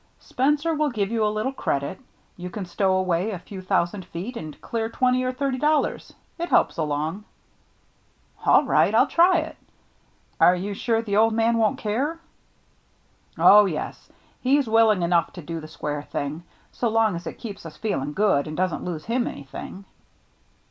" Spencer will give you a little credit. You can stow away a few thousand feet, and clear twenty or thirty dollars. It helps along." "All right, rU try it. Are you sure the old man won't care ?"" Oh, yes. He's willing enough to do the square thing, so long as it keeps us feeling good and doesn't lose him anything."